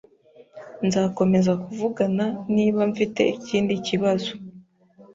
Nzakomeza kuvugana niba mfite ikindi kibazo